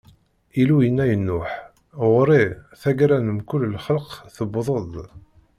Illu yenna i Nuḥ: Ɣur-i, taggara n mkul lxelq tewweḍ-d.